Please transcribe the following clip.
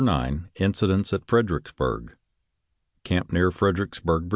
IX incidents at ffiedeeicksbueg Camp near Fkedeeicksburg, Va.